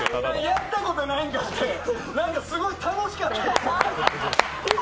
やったことなくて、すごい楽しかった。